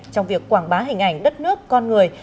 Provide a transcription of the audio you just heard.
trong việc quảng bá hình ảnh đất nước con người